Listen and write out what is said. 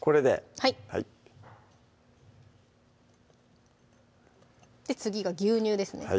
はい次が牛乳ですね